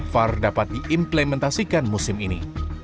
var dapat diimplementasikan musim ini